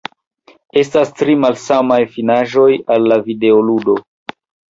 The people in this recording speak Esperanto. Estas tri malsamaj finaĵoj al la videoludo.